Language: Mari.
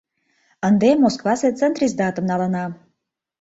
Ынде Москвасе Центриздатым налына.